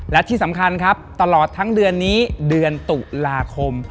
และที่สำคัญครับตลอดทั้งเดือนนี้เดือนตุลาคม